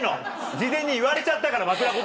事前に言われちゃったから枕ことばを。